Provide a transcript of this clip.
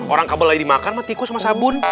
orang kabel lagi dimakan mah tikus sama sabun